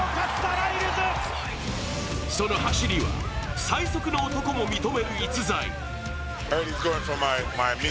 その走りは最速の男も認める逸材。